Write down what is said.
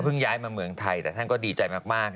ย้ายมาเมืองไทยแต่ท่านก็ดีใจมาก